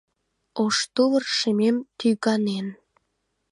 Ош тувыр шемем тӱганен.